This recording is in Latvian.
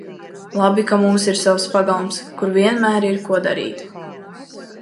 Labi, ka mums ir savs pagalms, kur vienmēr ir, ko darīt!